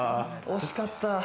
惜しかった。